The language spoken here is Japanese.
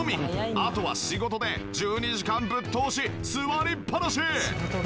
あとは仕事で１２時間ぶっ通し座りっぱなし！